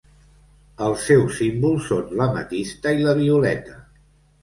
Els seus símbols són l'ametista i la violeta.